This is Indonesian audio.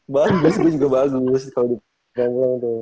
bahan gue juga bagus kalau di pamulang tuh